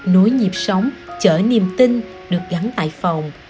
nối nhịp sống chở niềm tin được gắn tại phòng